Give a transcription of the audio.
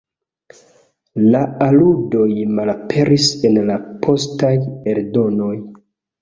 La aludoj malaperis en la postaj eldonoj.